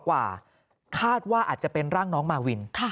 กว่าคาดว่าอาจจะเป็นร่างน้องมาวิน